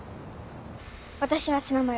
私はツナマヨ。